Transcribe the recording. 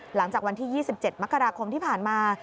หลังจากวันที่๒๗มกราคมที่ผ่านมา